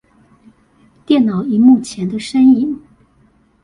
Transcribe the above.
電腦螢幕前的身影